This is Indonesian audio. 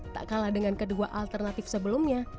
tak kalah dengan kedua alternatif sebelumnya